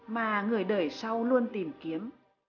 mà người đời sau luôn tìm kiếm